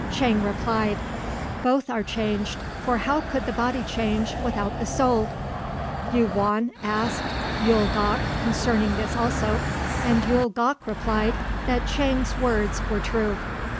Chang replied, "Both are changed, for how could the body change without the soul?" Yu won asked Yul gok concerning this also, and Yul gok replied that Chang's words were true.